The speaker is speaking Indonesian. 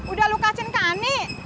udah lo kasih ke ani